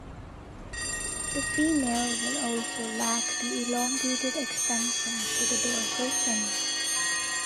The female will also lack the elongated extensions to the dorsal fins.